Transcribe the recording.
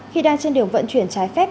khi đang trên đường vận chuyển trái phép